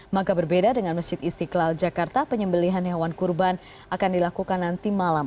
maka berbeda dengan masjid istiqlal jakarta penyembelihan hewan kurban akan dilakukan nanti malam